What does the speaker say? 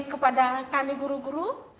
kepada kami guru guru